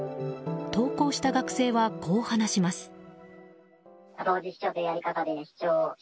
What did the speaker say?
投稿した学生は、こう話します。